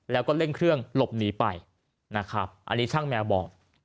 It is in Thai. แล้วก็เร่งเครื่องหลบหนีไปนะครับอันนี้ช่างแมวบอก